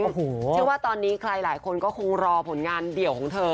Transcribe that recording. โอ้โหเชื่อว่าตอนนี้ใครหลายคนก็คงรอผลงานเดี่ยวของเธอ